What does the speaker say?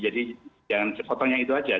jadi jangan sekotongnya itu aja